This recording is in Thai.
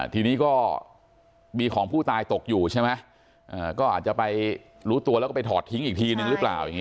ทีนี้ก็มีของผู้ตายตกอยู่ใช่ไหมก็อาจจะไปรู้ตัวแล้วก็ไปถอดทิ้งอีกทีนึงหรือเปล่าอย่างนี้